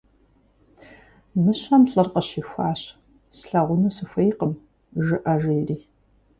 Мыщэм лӀыр къыщихуащ: - «Слъагъуну сыхуейкъым» жыӀэ, - жери.